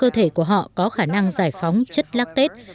cơ thể của họ có khả năng giải phóng chất lác tết